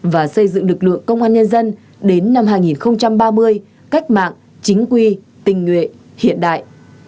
và xây dựng lực lượng công an nhân dân đến năm hai nghìn ba mươi cách mạng chính quy tình nguyện hiện đại